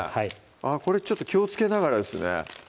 あこれちょっと気をつけながらですね